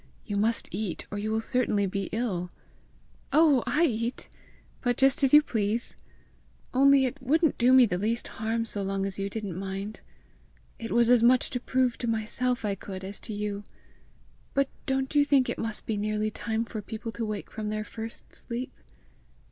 You must eat, or you will certainly be ill!" "Oh, I eat! But just as you please! Only it wouldn't do me the least harm so long as you didn't mind! It was as much to prove to myself I could, as to you! But don't you think it must be nearly time for people to wake from their first sleep?"